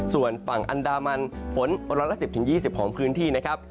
ส่วนฝั่งอันดามัณฑ์ฝนร้อนละ๑๐๒๐ของพื้นที่